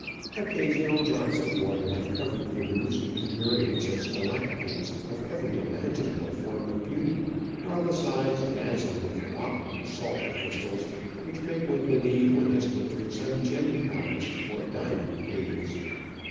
Occasional drops of water have covered the roof with myriads of stalactites of every imaginable form of beauty, while the sides dazzle with rock and Digitized by VjOOQIC OF AN Orchid Hunter. 125 salt crystals which make one believe one has entered some gem palace or diamond caves.